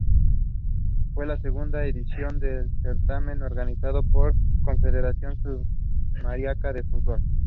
Fue la segunda edición del certamen, organizado por la Confederación Sudamericana de Fútbol.